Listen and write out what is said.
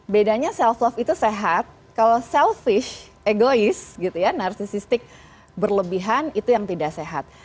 bedanya self love itu sehat kalau selfish egois gitu ya narsisistik berlebihan itu yang tidak sehat